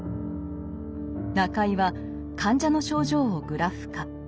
中井は患者の症状をグラフ化。